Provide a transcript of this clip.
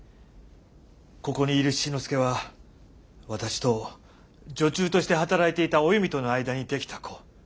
ここにいる七之助は私と女中として働いていたお弓との間に出来た子。